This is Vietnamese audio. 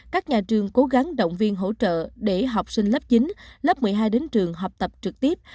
các nhà trường cố gắng động viên hỗ trợ để học sinh lớp chín lớp một mươi hai đến trường học tập trực tiếp